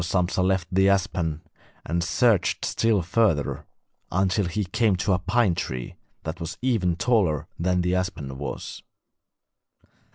So Sampsa left the aspen and searched still further, until he came to a pine tree that was even taller than the aspen was.